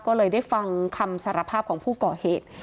ก็เลยได้ฟังคำสารภาพของผู้ก่อเหตุ